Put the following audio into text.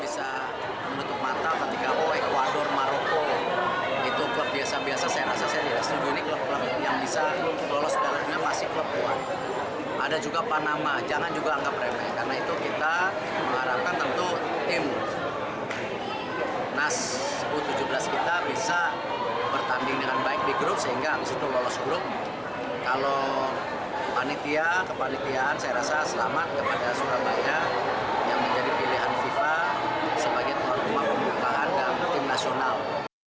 selamat kepada surabaya yang menjadi pilihan fifa sebagai tuan pemakam paham dan tim nasional